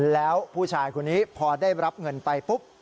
แล้วผู้ชายคนนี้พอได้รับเงินไปปุ๊บ